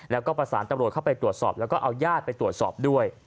แล้วก็ประสานตำรวจเข้าไปตรวจสอบแล้วก็เอาญาติไปตรวจสอบด้วย